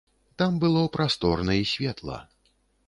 Там было прасторна і светла.